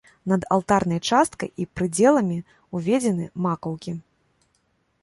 Над алтарнай часткай і прыдзеламі ўзведзены макаўкі.